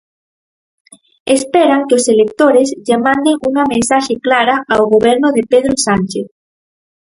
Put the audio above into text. Esperan que os electores lle manden unha mensaxe clara ao Goberno de Pedro Sánchez.